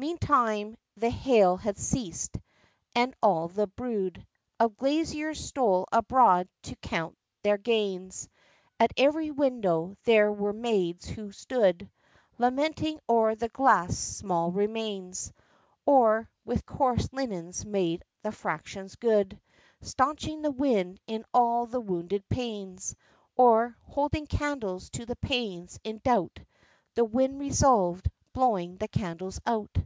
Meantime the hail had ceased: and all the brood Of glaziers stole abroad to count their gains; At every window there were maids who stood Lamenting o'er the glass's small remains, Or with coarse linens made the fractions good, Stanching the wind in all the wounded panes, Or, holding candles to the panes, in doubt The wind resolved blowing the candles out.